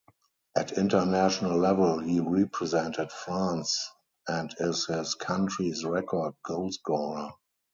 At international level he represented France and is his country's record goalscorer.